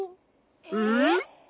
えっ？